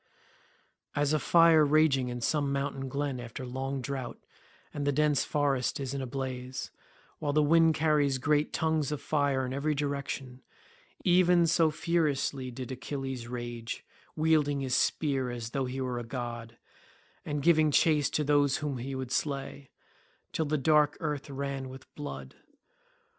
As a fire raging in some mountain glen after long drought—and the dense forest is in a blaze, while the wind carries great tongues of fire in every direction—even so furiously did Achilles rage, wielding his spear as though he were a god, and giving chase to those whom he would slay, till the dark earth ran with blood.